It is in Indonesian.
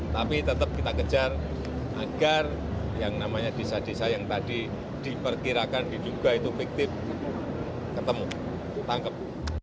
tapi tetap kita kejar agar yang namanya desa desa yang tadi diperkirakan diduga itu fiktif ketemu tangkep